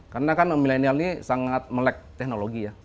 karena kan milenial ini sangat melek teknologi ya